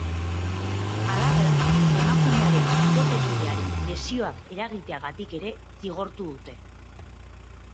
Halaber, emakumearen bikotekideari lesioak eragiteagatik ere zigortu dute.